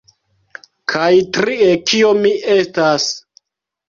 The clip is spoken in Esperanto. Kaj trie kio mi estas